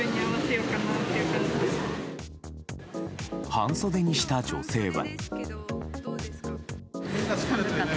半袖にした女性は。